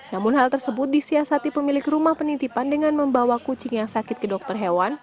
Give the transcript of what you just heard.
namun hal tersebut disiasati pemilik rumah penitipan dengan membawa kucing yang sakit ke dokter hewan